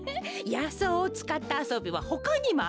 やそうをつかったあそびはほかにもあるのよ。